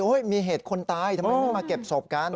มีเหตุคนตายทำไมไม่มาเก็บศพกัน